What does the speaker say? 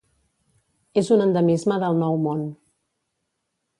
És un endemisme del Nou Món.